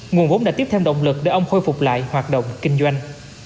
nguồn vốn đã tiếp thêm động lực để ông khôi phục lại hoạt động kinh doanh